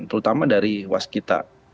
terutama dari was kita